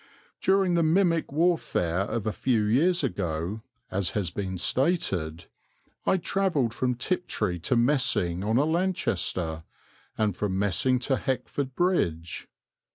During the mimic warfare of a few years ago, as has been stated, I travelled from Tiptree to Messing on a Lanchester, and from Messing to Heckford Bridge.